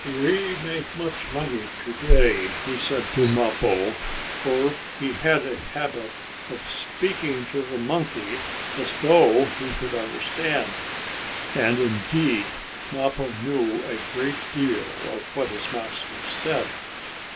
"We make much money to day," he said to Mappo, for he had a habit of speaking to the monkey as though he could understand. And indeed, Mappo knew a great deal of what his master said.